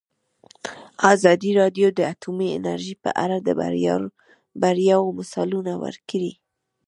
ازادي راډیو د اټومي انرژي په اړه د بریاوو مثالونه ورکړي.